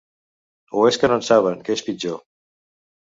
O és que no en saben, que és pitjor.